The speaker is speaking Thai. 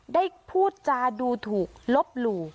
ได้พูดจาดูถูกลบหลู่